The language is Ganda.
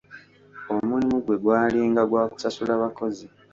Omulimu gwe gwalinga gwa kusasula bakozi.